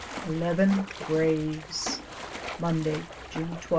ELEVEN GRAVES. Monday, June 12.